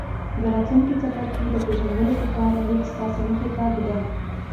د راتلونکي څپرکي د پېژندلو په پار ليک ستاسې مخې ته ږدم.